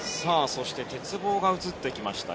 そして鉄棒が映ってきました。